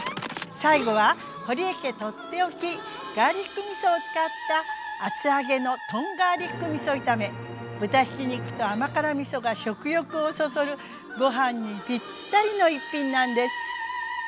最後は堀江家取って置きガーリックみそを使った豚ひき肉と甘辛みそが食欲をそそるご飯にぴったりの一品なんです。